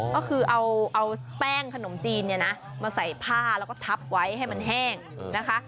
ก็คือเอาแป้งขนมจีนเนี่ยนะมาใส่ผ้าแล้วก็ทับไว้ให้มันแห้งนะคะ